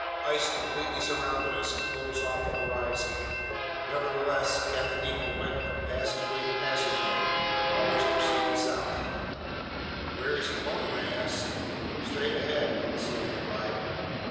Ice completely surrounded us and closed off the horizon. Nevertheless, Captain Nemo went from passageway to passageway, always proceeding south. "But where's he going?" I asked. "Straight ahead," Conseil replied.